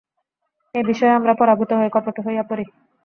এ বিষয়ে আমরা পরাভূত হই, কপট হইয়া পড়ি।